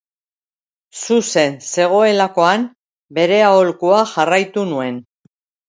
Zuzen zegoelakoan, bere aholkua jarraitu nuen.